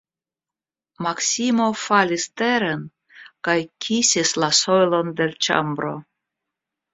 Maksimo falis teren kaj kisis la sojlon de l' ĉambro.